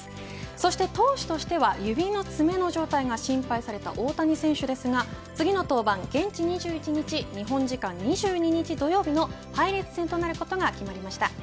そして投手としては指の爪の状態が心配された大谷選手ですが次の登板が、現地２１日日本時間２２日土曜日のパイレーツ戦となることが決まりました。